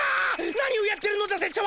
何をやってるのだ拙者は！